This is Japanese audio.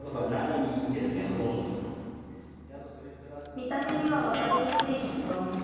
見た目には分かりにくい、きつ音。